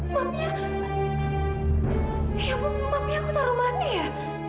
ya mapnya aku taruh mati ya